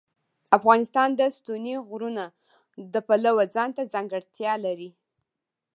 افغانستان د ستوني غرونه د پلوه ځانته ځانګړتیا لري.